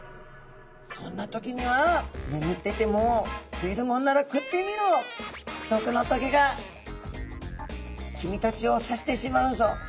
そんな時にはねむってても食えるもんなら食ってみろ毒の棘が君たちを刺してしまうぞ。